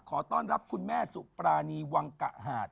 ขอต้อนรับคุณแม่สุปรานีวังกะหาด